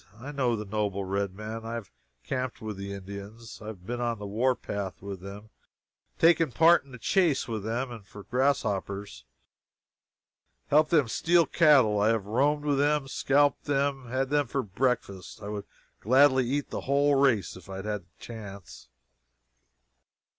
I know the Noble Red Man. I have camped with the Indians; I have been on the warpath with them, taken part in the chase with them for grasshoppers; helped them steal cattle; I have roamed with them, scalped them, had them for breakfast. I would gladly eat the whole race if I had a chance.